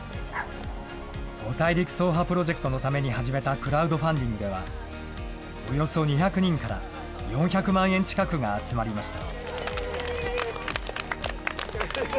５大陸走破プロジェクトのために始めたクラウドファンディングでは、およそ２００人から４００万円近くが集まりました。